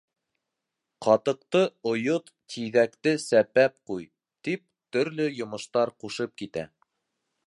Ҡатыҡты ойот, тиҙәкте сәпәп ҡуй, — тип төрлө йомоштар ҡушып китә.